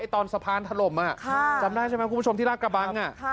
ตอนสะพานถล่มจำได้ใช่ไหมคุณผู้ชมที่ราชกระบัง